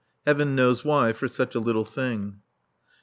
Heaven knows why, for such a little thing.